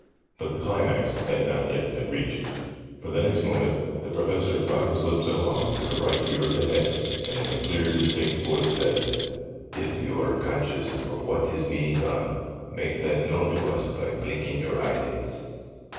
But the climax had not yet been reached ; for the next moment the Professor brought his lips on a line with the right ear of the head, and in a clear, distinct voice said :' If you are conscious of what is being done, make that known to us by blinking your eyelids.'